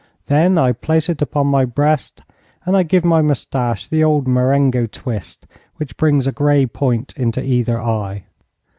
Then I place it upon my breast, and I give my moustache the old Marengo twist which brings a grey point into either eye.